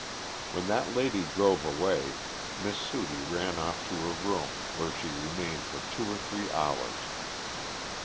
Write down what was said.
When that lady drove away Miss Sudie ran off to her room, where she remained for two or three hours.